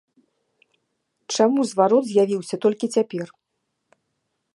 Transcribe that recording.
Чаму зварот з'явіўся толькі цяпер?